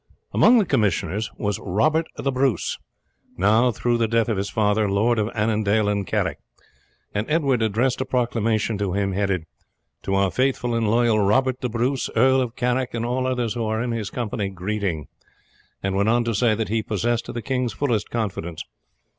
Among the commissioners was Robert Bruce, now through the death of his father, Lord of Annandale and Carrick; and Edward addressed a proclamation to him, headed, "To our faithful and loyal Robert de Bruce, Earl of Carrick, and all others who are in his company, greeting;" and went on to say that he possessed the king's fullest confidence.